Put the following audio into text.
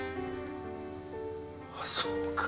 あそうか。